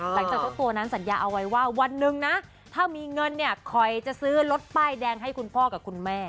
เจ้าตัวนั้นสัญญาเอาไว้ว่าวันหนึ่งนะถ้ามีเงินเนี่ยคอยจะซื้อรถป้ายแดงให้คุณพ่อกับคุณแม่